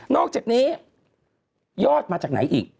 อกจากนี้ยอดมาจากไหนอีก